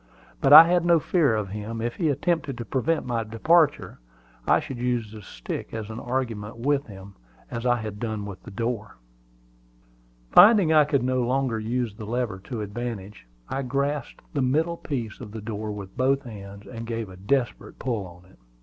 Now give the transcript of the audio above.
But I had no fear of him: if he attempted to prevent my departure, I should use the stick as an argument with him, as I had done with the door. Finding I could no longer use the lever to advantage, I grasped the middle piece of the door with both hands, and gave a desperate pull at it.